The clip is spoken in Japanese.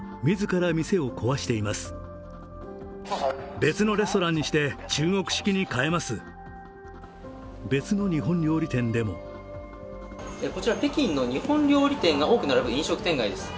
影響は中国国内でも別の日本料理店でもこちら北京の日本料理店が多く並ぶ飲食店街です。